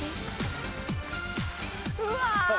うわ！